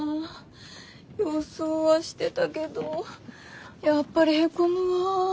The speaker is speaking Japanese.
予想はしてたけどやっぱりへこむわ。